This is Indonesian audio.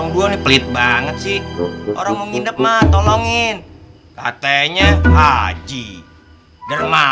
di sini ada tukang ngintip